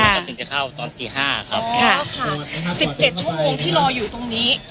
แล้วก็ถึงจะเข้าตอนตีห้าครับอ๋อค่ะสิบเจ็ดชั่วโมงที่รออยู่ตรงนี้